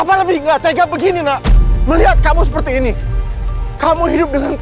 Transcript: papa lebih gak tega begini nak melihat kamu seperti ini kamu hidup dengan